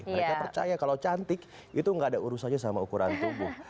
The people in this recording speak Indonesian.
mereka percaya kalau cantik itu nggak ada urusannya sama ukuran tubuh